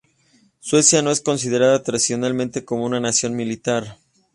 Suecia no se considera tradicionalmente como una nación militar.